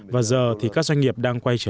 và giờ thì các doanh nghiệp đang phát triển